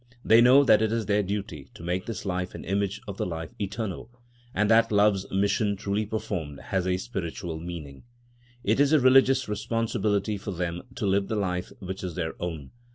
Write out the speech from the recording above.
They know that it is their duty to make this life an image of the life eternal, and that love's mission truly performed has a spiritual meaning. It is a religious responsibility for them to live the life which is their own.